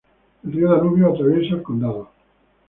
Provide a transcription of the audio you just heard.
El río Danubio atraviesa el condado.